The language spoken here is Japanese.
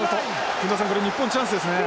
薫田さんこれ日本チャンスですね。